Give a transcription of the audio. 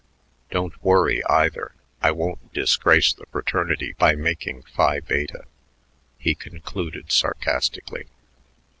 Don't worry, either; I won't disgrace the fraternity by making Phi Bete," he concluded sarcastically.